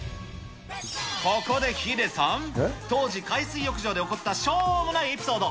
ここでヒデさん、当時、海水浴場で起こったしょうもないエピソード。